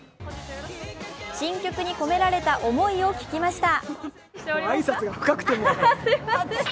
新曲に込められた思いを聞きました。